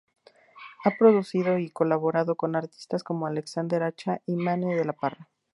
Ha producido y colaborado con artistas como Alexander Acha y Mane De La Parra.